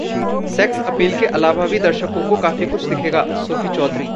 sex appeal के अलावा भी दर्शकों को काफी कुछ दिखेगाः सोफी चौधरी